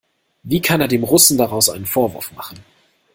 Wie kann er dem Russen daraus einen Vorwurf machen?